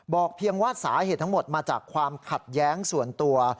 เพียงว่าสาเหตุทั้งหมดมาจากความขัดแย้งส่วนตัว